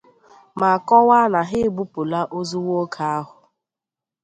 ma kọwaa na ha ebupùla ozu nwoke ahụ.